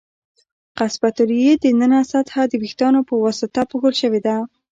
قصبة الریې د ننه سطحه د وېښتانو په واسطه پوښل شوې ده.